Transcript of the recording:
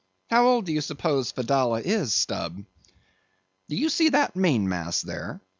"How old do you suppose Fedallah is, Stubb?" "Do you see that mainmast there?"